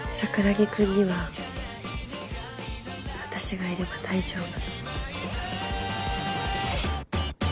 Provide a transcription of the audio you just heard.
舜くんには君がいれば大丈夫。